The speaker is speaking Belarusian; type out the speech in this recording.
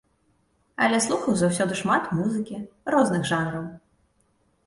Але слухаў заўсёды шмат музыкі, розных жанраў.